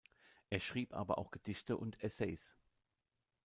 Er schrieb aber auch Gedichte und Essays.